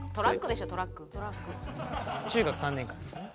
中学３年間ですよね？